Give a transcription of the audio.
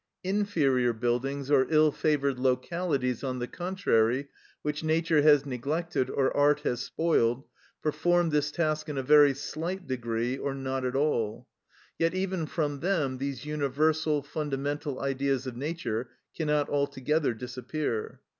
Inferior buildings or ill favoured localities, on the contrary, which nature has neglected or art has spoiled, perform this task in a very slight degree or not at all; yet even from them these universal, fundamental Ideas of nature cannot altogether disappear.